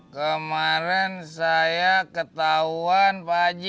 kemarin saya ketahuan pak haji